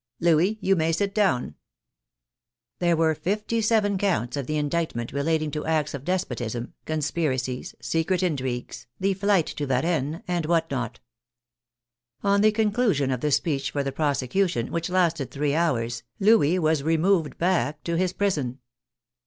Louis, you may sit down," There were fifty seven counts of the indictment relating to acts of despotism, con spiracies, secret intrigues, the flight to Varennes, and what not. On the conclusion of the speech for the prose cution, which lasted three hours, Louis was removed back to his prison.